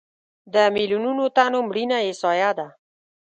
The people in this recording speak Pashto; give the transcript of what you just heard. د میلیونونو تنو مړینه احصایه ده.